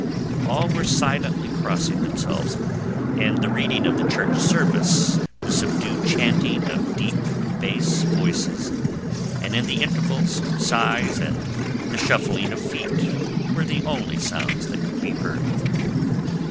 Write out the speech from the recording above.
All were silently crossing themselves, and the reading of the church service, the subdued chanting of deep bass voices, and in the intervals sighs and the shuffling of feet were the only sounds that could be heard.